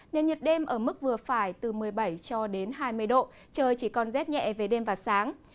nền nhiệt đêm ở mức vừa phải từ một mươi bảy cho đến hai mươi độ trời chỉ còn rét nhẹ về đêm và sáng